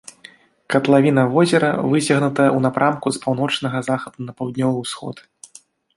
Катлавіна возера выцягнутая ў напрамку з паўночнага захаду на паўднёвы ўсход.